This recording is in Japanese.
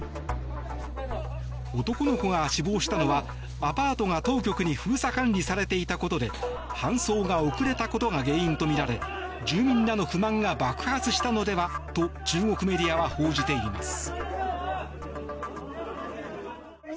男の子が死亡したのはアパートが当局に封鎖管理されていたことで搬送が遅れたことが原因とみられ住民らの不満が爆発したのではと中国メディアは報じています。